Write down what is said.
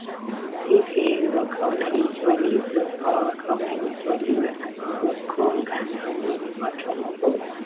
ffu wakaona jinsi walivyovaa wakaona jinsi walivyo na mikonga na nini watu wanaogopa